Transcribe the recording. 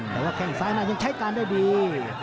แต่แข่งซ้ายให้ใช้การได้ดี